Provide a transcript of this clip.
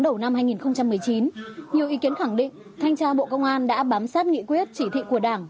đầu năm hai nghìn một mươi chín nhiều ý kiến khẳng định thanh tra bộ công an đã bám sát nghị quyết chỉ thị của đảng